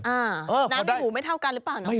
น้ำในหูไม่เท่ากันหรือเปล่าน้องพิชชี่